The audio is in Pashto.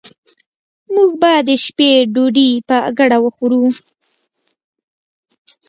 موږ به د شپې ډوډي په ګډه وخورو